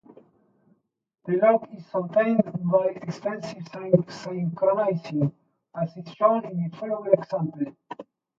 The lock is obtained by expensive synchronizing, as is shown in the following example.